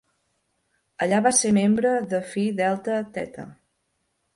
Allà va ser membre de Phi Delta Theta.